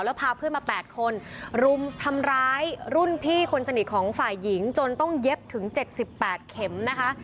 แล้วพาเพื่อนมา๘คนรุมทำร้ายรุ่นพี่คนสนิทของฝ่ายหญิงจนต้องเย็บถึง๗๘เข็มนะคะ